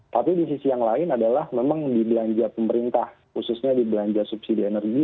tapi di sisi yang lain adalah memang dibelanja pemerintah khususnya dibelanja subsidi energi